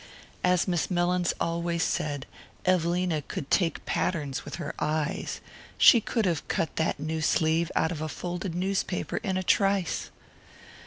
As Miss Mellins always said, Evelina could "take patterns with her eyes": she could have cut that new sleeve out of a folded newspaper in a trice!